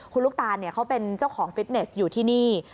คุณลูกตาลเขาเป็นเจ้าของฟิตเนสอยู่ที่นี่